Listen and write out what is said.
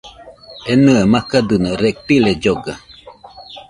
Enɨe makadɨno, reptiles lloga